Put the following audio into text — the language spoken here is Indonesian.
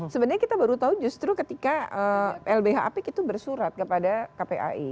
sebenarnya kita baru tahu justru ketika lbh apik itu bersurat kepada kpai